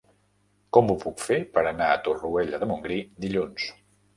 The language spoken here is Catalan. Com ho puc fer per anar a Torroella de Montgrí dilluns?